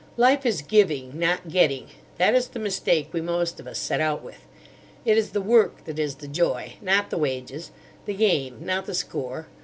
"Life is giving, not getting. That is the mistake we most of us set out with. It is the work that is the joy, not the wages; the game, not the score.